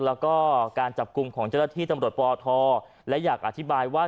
แล้วก็การจับกลุ่มของเจ้าหน้าที่ตำรวจปทและอยากอธิบายว่า